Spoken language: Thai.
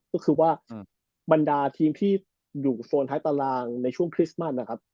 ก็คือว่าบรรดาทีมที่อยู่โซนท้ายตารางในช่วงคริสต์มัสนะครับ